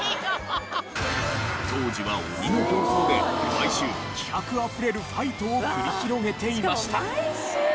当時は鬼の形相で毎週気迫あふれるファイトを繰り広げていました。